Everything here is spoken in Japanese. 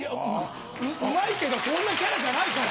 うまいけどそんなキャラじゃないから。